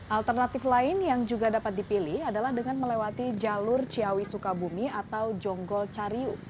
alternatif lain yang juga dapat dipilih adalah dengan melewati jalur ciawi sukabumi atau jonggol cariu